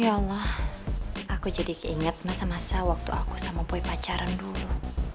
ya allah aku jadi keinget masa masa waktu aku sama puai pacaran dulu